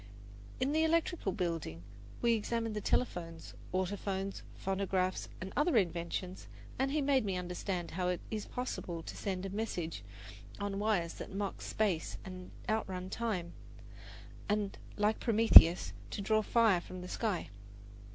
In the electrical building we examined the telephones, autophones, phonographs, and other inventions, and he made me understand how it is possible to send a message on wires that mock space and outrun time, and, like Prometheus, to draw fire from the sky.